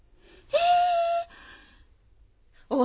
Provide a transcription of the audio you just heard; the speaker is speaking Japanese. へえ。